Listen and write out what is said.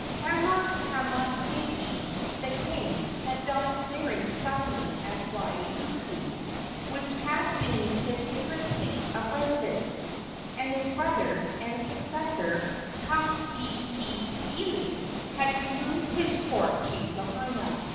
Kamehamehanui, the king, had died very suddenly at Wailuku, which had been his favorite place of residence, and his brother and successor, Kahekili, had removed his court to Lahaina.